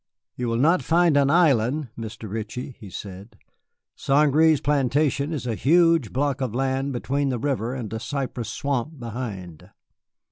"You will not find an island, Mr. Ritchie," he said; "Saint Gré's plantation is a huge block of land between the river and a cypress swamp behind.